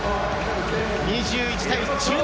２１対１７。